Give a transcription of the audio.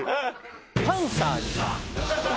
パンサーにさ。